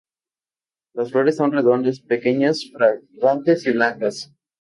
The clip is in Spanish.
Las flores son redondas, pequeñas, fragantes y blancas.